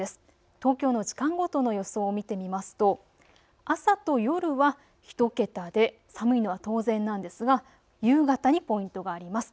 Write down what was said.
東京の時間ごとの予想を見てみますと朝と夜は１桁で寒いのは当然なんですが夕方にポイントがあります。